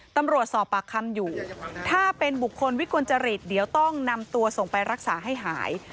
ตำรวจสอบปากคำอยู่ถ้าเป็นบุคคลวิกลจริตเดี๋ยวต้องนำตัวส่งไปรักษาให้หาย